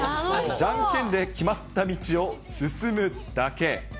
じゃんけんで決まった道を進むだけ。